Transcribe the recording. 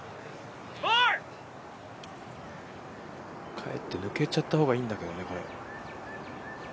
かえって抜けちゃった方がいいんだけどね、これ。